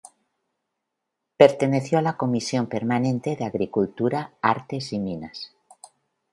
Perteneció a la Comisión permanente de Agricultura, Artes y Minas.